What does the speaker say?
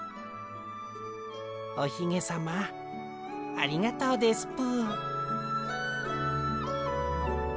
おひげさまありがとうですぷ。